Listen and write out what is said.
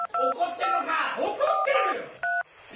怒ってるよ！